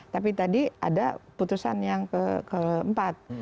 tapi tadi ada putusan yang keempat